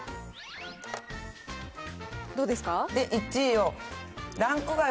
で、１位を。